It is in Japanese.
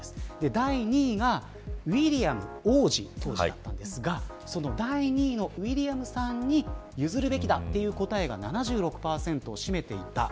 第２位がウィリアム王子当時だったんですがその第２位のウィリアムさんに譲るべきだという答えが７６％を占めていた。